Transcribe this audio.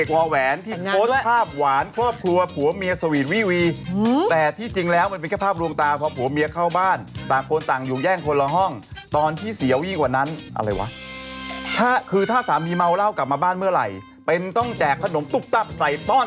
ก็ได้ยินข่าวมาจากศณเขาไปแจ้งความกับเวลาโอ้ยแสดงแล้วแหน่มกันเนาะไปเอาวาแหว้นมาตอน